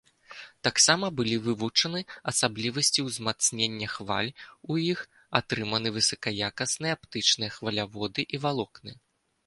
Таксама былі вывучаны асаблівасці ўзмацнення хваль у іх, атрыманы высакаякасныя аптычныя хваляводы і валокны.